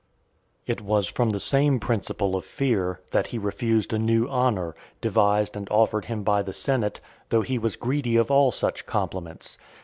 (492) It was from the same principle of fear, that he refused a new honour, devised and offered him by the senate, though he was greedy of all such compliments.